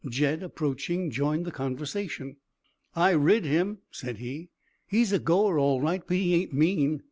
Jed, approaching, joined the conversation. "I rid him," said he. "He's a goer all right, but he ain't mean."